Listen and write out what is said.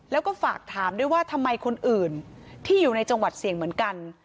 แล้วก็ฝากถามด้วยว่าทำไมคนอื่นที่อยู่ในจังหวัดเสี่ยงเหมือนกัน